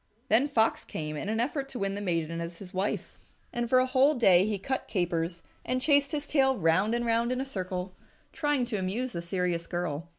Then Fox came in an effort to win the maiden as his wife. And for a whole day he cut capers, and chased his tail round and round in a circle, trying to amuse the serious girl.